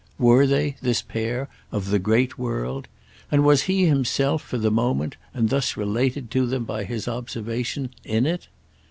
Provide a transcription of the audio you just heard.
Were they, this pair, of the "great world"?—and was he himself, for the moment and thus related to them by his observation, in it?